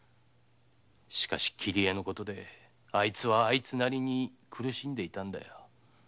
しかし桐江のことであいつはあいつなりに苦しんでいたんだ。